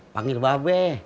panggil mbak be